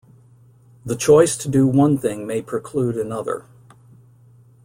The choice to do one thing may preclude another.